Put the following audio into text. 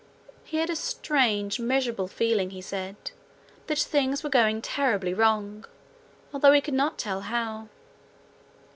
He had a strange miserable feeling, he said, that things were going terribly wrong, although he could not tell how.